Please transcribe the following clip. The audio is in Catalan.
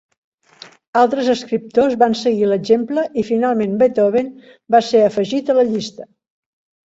Altres escriptors van seguir l'exemple i finalment Beethoven va ser afegit a la llista.